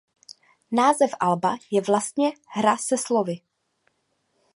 Název alba je vlastně hra se slovy.